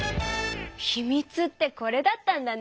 秘密ってこれだったんだね！